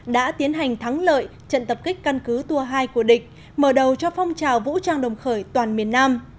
đã tiến hành thắng lợi trận tập kích căn cứ tour hai của địch mở đầu cho phong trào vũ trang đồng khởi toàn miền nam